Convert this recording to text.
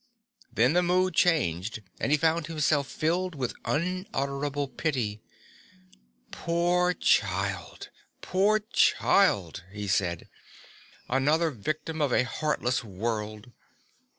Then the mood changed and he found himself filled with unutterable pity. "Poor child, poor child," he said; "another victim of a heartless world."